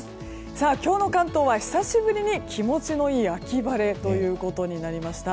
今日の関東は久しぶりに気持ちのいい秋晴れということになりました。